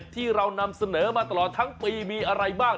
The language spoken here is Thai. ที่เรานำเสนอมาตลอดทั้งปีมีอะไรบ้าง